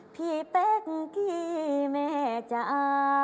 พี่แพร่งพี่แม่จ๊ะ